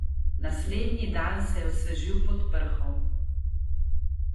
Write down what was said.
Naslednji dan se je osvežil pod prho.